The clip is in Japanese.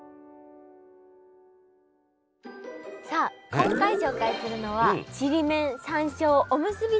さあ今回紹介するのはちりめん山椒おむすびです！